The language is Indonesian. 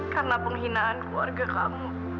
karena penghinaan keluarga kamu